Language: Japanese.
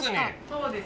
そうです。